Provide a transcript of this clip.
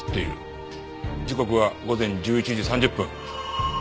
時刻は午前１１時３０分。